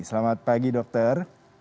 selamat pagi dokter